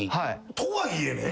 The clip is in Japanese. とはいえね。